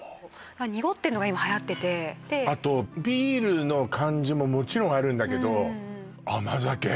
濁ってるのが今はやっててあとビールの感じももちろんあるんだけど甘酒